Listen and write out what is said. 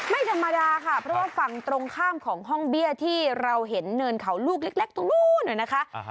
ไม่ธรรมดาค่ะเพราะว่าฝั่งตรงข้ามของห้องเบี้ยที่เราเห็นเนินเขาลูกเล็กตรงนู้นนะคะ